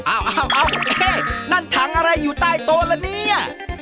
โอเคนั่นถังอะไรอยู่ใต้โต๊ะละเนี่ย